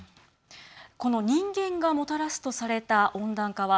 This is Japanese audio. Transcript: この人間がもたらすとされた温暖化は